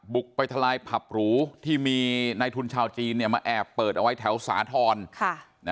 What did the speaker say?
บุกไปทลายผับหรูที่มีในทุนชาวจีนมาแอบเปิดเอาไว้แถวสาธรณ์